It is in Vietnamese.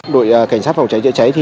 đội cảnh sát phòng cháy cháy cháy